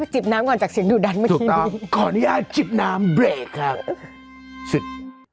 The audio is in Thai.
อีเบนครับสุดต้องขออนุญาตจิบน้ำเบละครับสุด